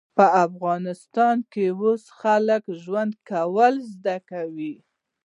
په افغانستان کې اوس خلک ژوند کول زده کوي